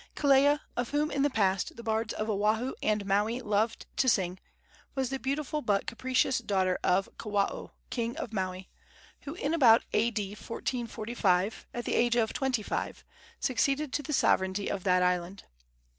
Kelea, of whom in the past the bards of Oahu and Maui loved to sing, was the beautiful but capricious sister of Kawao, king of Maui, who in about A.D. 1445, at the age of twenty five, succeeded to the sovereignty of that island.